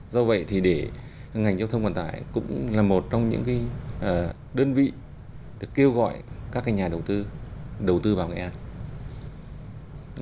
do vậy thì để ngành giao thông vận tải cũng là một trong những đơn vị kêu gọi các nhà đầu tư vào nghệ an